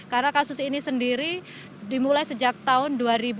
karena kasus ini sendiri dimulai sejak tahun dua ribu lima belas